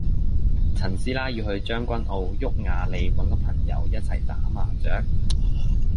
陳師奶要去將軍澳毓雅里搵個朋友一齊打麻雀